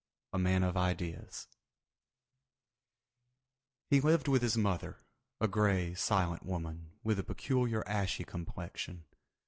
A MAN OF IDEAS He lived with his mother, a grey, silent woman with a peculiar ashy complexion.